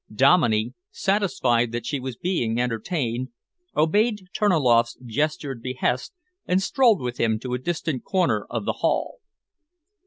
Dominey, satisfied that she was being entertained, obeyed Terniloff's gestured behest and strolled with him to a distant corner of the hall.